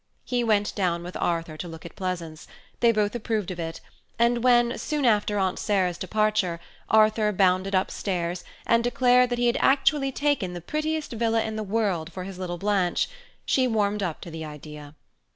He went down with Arthur to look at Pleasance, they both approved of it, and when, soon after Aunt Sarah's departure, Arthur bounded upstairs, and declared that he had actually taken the prettiest villa in the world for his little Blanche, she warmed up to the idea.